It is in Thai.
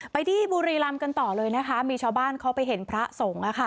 ไปที่บุรีรำกันต่อเลยนะคะมีชาวบ้านเขาไปเห็นพระสงฆ์